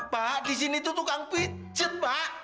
pak di sini itu tukang pijet pak